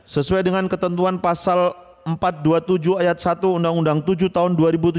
sesuai dengan ketentuan pasal empat ratus dua puluh tujuh ayat satu undang undang tujuh tahun dua ribu tujuh belas